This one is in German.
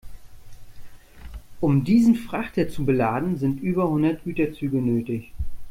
Um diesen Frachter zu beladen, sind über hundert Güterzüge nötig.